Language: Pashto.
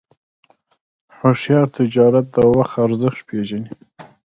هوښیار تجارت د وخت ارزښت پېژني.